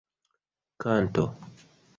kanto